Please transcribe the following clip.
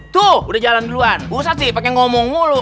tuh udah jalan duluan ustad sih pake ngomong mulu